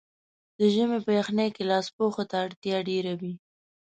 د ژمي په یخنۍ کې لاسپوښو ته اړتیا ډېره وي.